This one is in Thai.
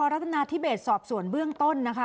รัฐนาธิเบสสอบสวนเบื้องต้นนะคะ